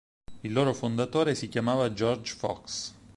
Il loro fondatore si chiamava George Fox.